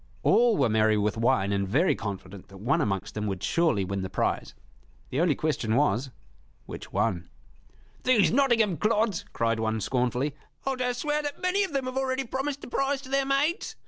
All were merry with wine and very confident that one amongst them would surely win the prize. The only question was, Which one? "These Nottingham clods!" cried one, scornfully; "I'll dare swear that many of them have already promised the prize to their maids!